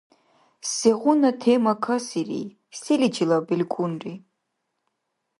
Сегъуна тема касири, селичила белкӏунри?